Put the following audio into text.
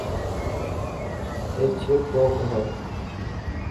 اي ڇهه ڪوپ هي.